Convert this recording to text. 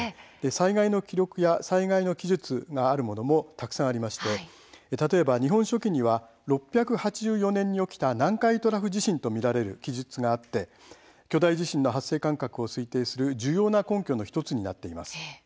災害の記述があるものもたくさんありまして例えば「日本書紀」には６８４年に起きた南海トラフ地震と見られる記述があって巨大地震が発生間隔を推定する重要な根拠の１つになっています。